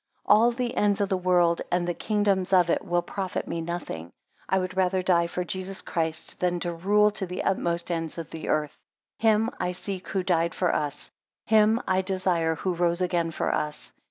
14 All the ends of the world, and the kingdoms of it, will profit me nothing: I would rather die for Jesus Christ, than rule to the utmost ends of the earth. Him I seek who died for us; him I desire who rose again for us.